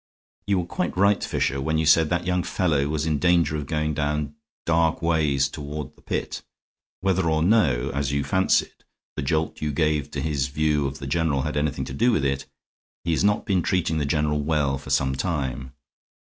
"You were quite right, Fisher, when you said that young fellow was in danger of going down dark ways toward the pit. Whether or no, as you fancied, the jolt you gave to his view of the general had anything to do with it, he has not been treating the general well for some time.